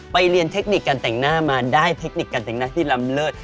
เรียนเทคนิคการแต่งหน้ามาได้เทคนิคการแต่งหน้าที่ลำเลิศ